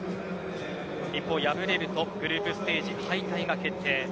一方、敗れるとグループステージ敗退が決定。